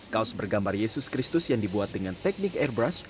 kaos bergambar yesus kristus yang dibuat dengan teknik airbrush